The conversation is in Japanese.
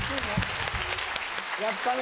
やったね。